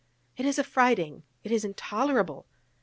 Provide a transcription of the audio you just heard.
It is affrighting, it is intolerable!